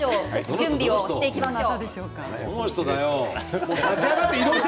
準備をしていきましょう。